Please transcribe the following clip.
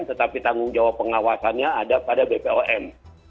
tetapi tanggung jawab pengawasannya ada pada bpom